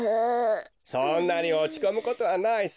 そんなにおちこむことはないさ。